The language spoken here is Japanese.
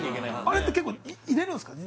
あれって結構入れるんすか？